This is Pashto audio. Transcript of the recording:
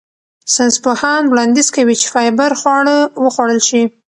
ساینسپوهان وړاندیز کوي چې فایبر خواړه وخوړل شي.